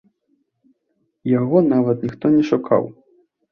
Яго нават ніхто не шукаў.